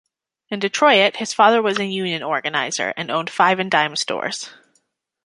In Detroit, his father was a union organizer, and owned five-and-dime stores.